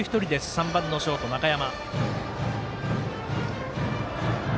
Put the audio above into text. ３番のショート、中山。